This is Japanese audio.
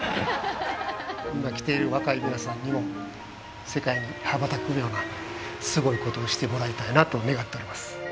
今来ている若い皆さんにも世界に羽ばたくようなすごいことをしてもらいたいなと願っております